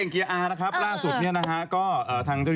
ไม่เอ่อชื่อนี้เอ่อถูกคนเลย